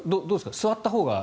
座ったほうが。